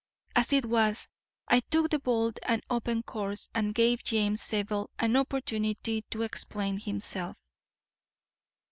As it was, I took the bold and open course and gave James Zabel an opportunity to explain himself.